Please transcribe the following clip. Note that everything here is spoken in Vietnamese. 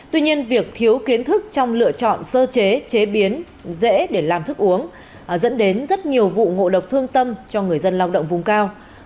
tuy nhiên việc thiếu kiến thức trong lựa chọn sơ chế chế biến dễ để làm thức uống dẫn đến rất nhiều vụ ngộ độc thương tâm cho người dân lao động vùng cao